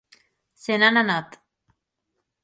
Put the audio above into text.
Se n'han anat.